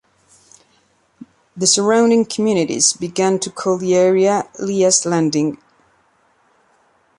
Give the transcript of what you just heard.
The surrounding communities began to call the area "Lea’s Landing".